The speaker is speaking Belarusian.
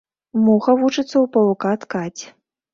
Муха вучыцца ў павука ткаць.